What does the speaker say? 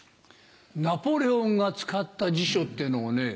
ナポレオンが使った辞書ってのをね